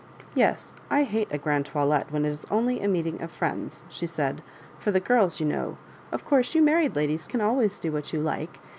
" Yes ; I hate a grand toilette when it is only a meeting of friends," she said —" for the girls, you know; of course you married ladies can always do what you like.